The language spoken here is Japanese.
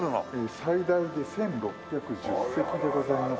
最大で１６１０席でございます。